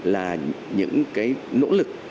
là những cái nỗ lực